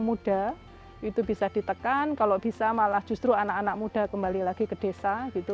muda itu bisa ditekan kalau bisa malah justru anak anak muda kembali lagi ke desa gitu